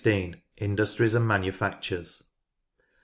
Industries and Manufactures.